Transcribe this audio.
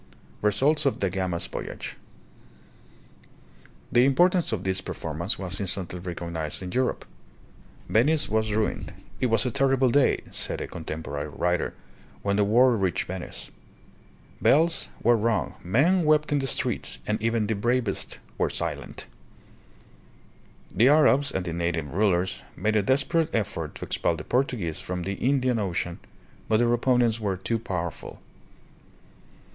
Results of Da Gama's Voyage. The importance of this performance was instantly recognized in Europe. Venice was ruined. "It was a terrible day," said a con temporary writer, "when the word reached Venice. Bells were rung, men wept in the streets, and even the bravest 66 THE PHILIPPINES. were silent." The Arabs and the native rulers made a desperate effort to expel the Portuguese from the Indian Ocean, but their opponents were too powerful.